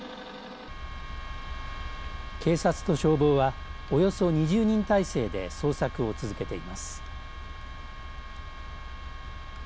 警察と消防はおよそ２０人態勢で捜索を続けています。